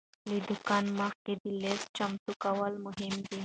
له دوکانه مخکې د لیست چمتو کول مهم دی.